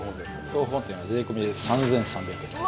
総本店は税込みで３３００円です。